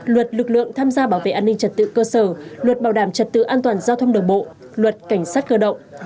luật lực lượng tham gia bảo vệ an ninh trật tự cơ sở luật bảo đảm trật tự an toàn giao thông đường bộ luật cảnh sát cơ động